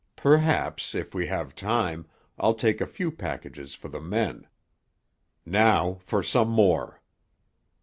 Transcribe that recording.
Perhaps, if we have time, I'll take a few packages for the men. Now for some more."